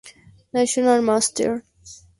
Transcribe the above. National Master